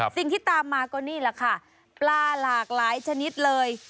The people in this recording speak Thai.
สิ่งที่ตามมาก็นี่แหละค่ะปลาหลากหลายชนิดเลย